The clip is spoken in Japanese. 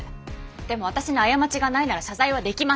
でも私に過ちがないなら謝罪はできません。